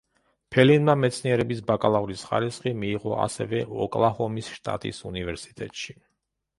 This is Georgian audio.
ფელინმა მეცნიერების ბაკალავრის ხარისხი მიიღო ასევე ოკლაჰომის შტატის უნივერსიტეტში.